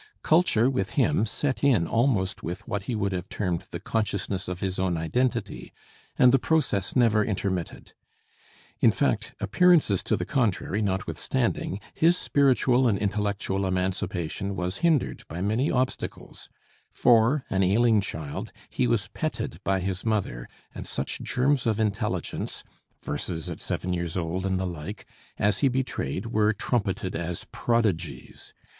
Culture, with him, set in almost with what he would have termed the "consciousness of his own identity," and the process never intermitted: in fact, appearances to the contrary notwithstanding, his spiritual and intellectual emancipation was hindered by many obstacles; for, an ailing child, he was petted by his mother, and such germs of intelligence (verses at seven years old, and the like) as he betrayed were trumpeted as prodigies.